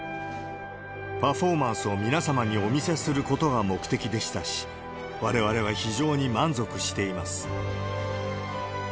パフォーマンスを皆様にお見せすることが目的でしたし、われわれは非常に満足しています。